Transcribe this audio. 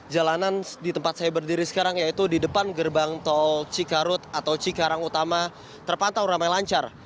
jalanan di tempat saya berdiri sekarang yaitu di depan gerbang tol cikarut atau cikarang utama terpantau ramai lancar